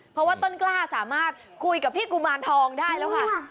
เพราะว่าต้นกล้าสามารถคุยกับพี่กุมารทองได้แล้วค่ะ